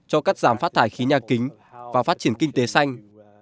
cho cắt giảm phát thải khí nhà kính và phát triển kinh tế xanh